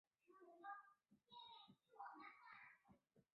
车底国流域。